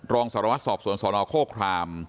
รองสารวัตรสอบสวนสนโคคราม